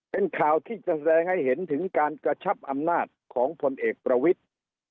เป็นข่าวที่จะแสดงให้เห็นถึงการกระชับอำนาจของพลเอกประวิทธิ์